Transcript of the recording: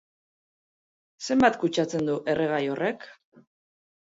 Zenbat kutsatzen du erregai horrek?